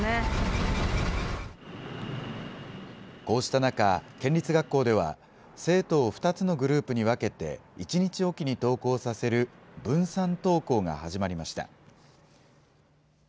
こうした中、県立学校では、生徒を２つのグループに分けて１日置きに登校させる分散登校が始まりました。